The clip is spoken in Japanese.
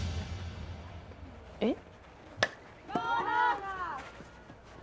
えっ。